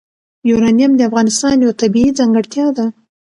یورانیم د افغانستان یوه طبیعي ځانګړتیا ده.